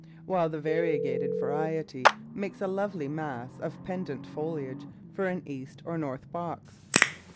while the varie gated variety makes a lovely mass of pendent foliage for an east or north box.